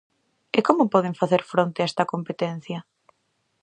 E como poden facer fronte a esta competencia?